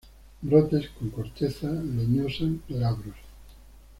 Brotes con corteza leñosa, glabros.